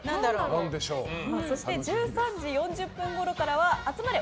そして１３時４０分ごろからはあつまれ！